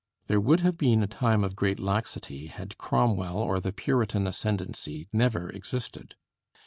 There would have been a time of great laxity had Cromwell or the Puritan ascendancy never existed.